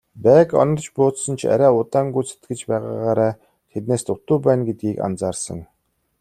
Байг онож буудсан ч арай удаан гүйцэтгэж байгаагаараа тэднээс дутуу байна гэдгийг анзаарсан.